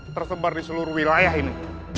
tersebar di seluruh wilayah ini